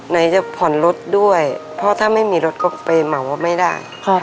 ไหนจะผ่อนรถด้วยเพราะถ้าไม่มีรถก็ไปเหมาไม่ได้